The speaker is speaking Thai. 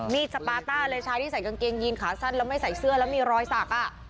สปาต้าเลยชายที่ใส่กางเกงยีนขาสั้นแล้วไม่ใส่เสื้อแล้วมีรอยสัก